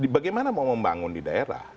bagaimana mau membangun di daerah